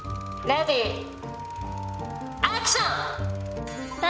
レディーアクション！